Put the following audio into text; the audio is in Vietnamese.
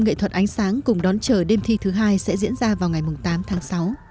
nghệ thuật ánh sáng cùng đón chờ đêm thi thứ hai sẽ diễn ra vào ngày tám tháng sáu